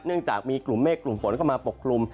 เนื่องจากมีกลุ่มเมฆกลุ่มฝนเข้ามาปกลุ่ม